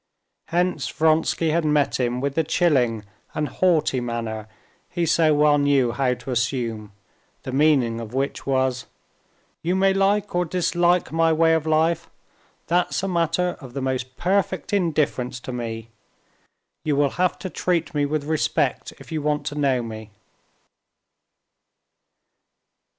Hence Vronsky had met him with the chilling and haughty manner he so well knew how to assume, the meaning of which was: "You may like or dislike my way of life, that's a matter of the most perfect indifference to me; you will have to treat me with respect if you want to know me."